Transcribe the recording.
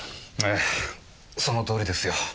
ええそのとおりですよ。